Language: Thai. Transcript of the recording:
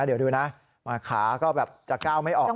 เดี๋ยวดูนะขาก็แบบจะก้าวไม่ออก